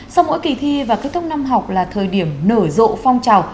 sau mỗi kỳ thi và kết thúc năm học là thời điểm nở rộ phong trào